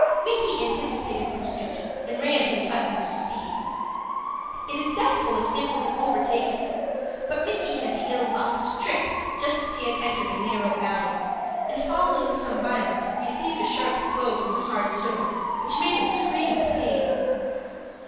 Micky anticipated pursuit, and ran at his utmost speed. It is doubtful if Dick would have overtaken him, but Micky had the ill luck to trip just as he had entered a narrow alley, and, falling with some violence, received a sharp blow from the hard stones, which made him scream with pain.